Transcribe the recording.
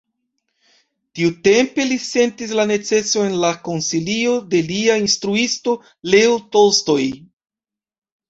Tiutempe li sentis la neceson en la konsilioj de lia instruisto Leo Tolstoj.